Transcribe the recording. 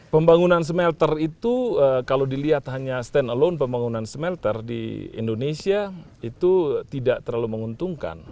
pembangunan smelter itu kalau dilihat hanya stand alone pembangunan smelter di indonesia itu tidak terlalu menguntungkan